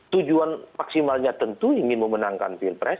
tujuan maksimalnya tentu ingin memenangkan pilpres